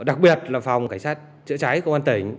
đặc biệt là phòng cảnh sát chữa cháy công an tỉnh